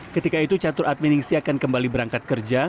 ketika itu catur adminingsi akan kembali berangkat kerja